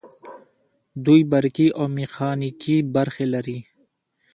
دوی برقي او میخانیکي برخې لري.